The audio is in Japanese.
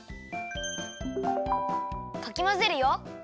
かきまぜるよ。